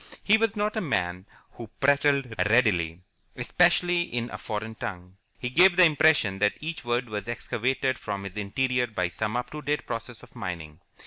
He was not a man who prattled readily, especially in a foreign tongue. He gave the impression that each word was excavated from his interior by some up to date process of mining.